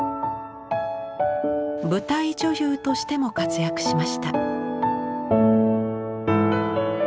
舞台女優としても活躍しました。